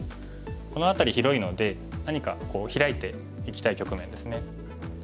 この辺り広いので何かヒラいていきたい局面ですね。